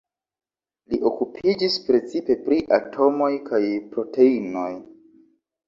Li okupiĝis precipe pri atomoj kaj proteinoj.